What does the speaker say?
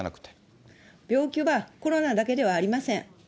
病気はコロナだけではありません。